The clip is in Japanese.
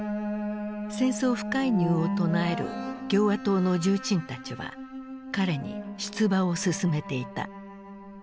戦争不介入を唱える共和党の重鎮たちは彼に出馬を勧めていた。